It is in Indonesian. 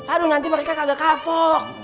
aduh nanti mereka kaget kapok